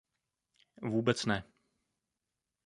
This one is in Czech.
Vůbec ne.